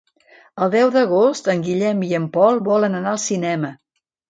El deu d'agost en Guillem i en Pol volen anar al cinema.